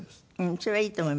それはいいと思います。